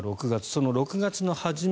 その６月の初め